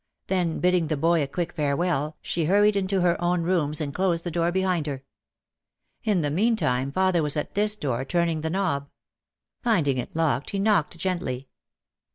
Then bidding the boy a quick fare well she hurried into her own rooms and closed the door behind her. In the meantime father was at this door turning the knob. Finding it locked he knocked gently.